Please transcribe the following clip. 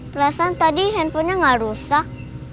perasaan tadi handphonenya nggak rusak